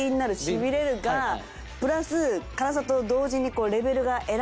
プラス辛さと同時にレベルが選べて。